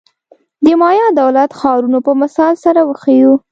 د مایا دولت-ښارونو په مثال سره وښیو.